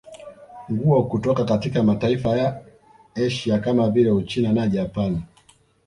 Nguo kutoka katika mataifa ya Asia kama vile Uchina na Japani